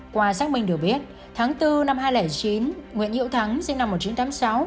qua xác minh được biết tháng bốn năm hai nghìn chín nguyễn hữu thắng sinh năm một nghìn chín trăm tám mươi sáu